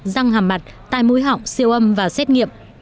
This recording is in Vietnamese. răng hàm mặt tai mũi họng siêu âm và xét nghiệm